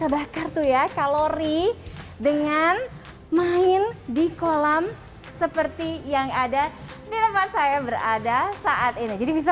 bakar tuh ya kalori dengan main di kolam seperti yang ada di tempat saya berada saat ini jadi bisa